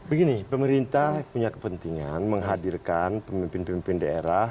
begini pemerintah punya kepentingan menghadirkan pemimpin pemimpin daerah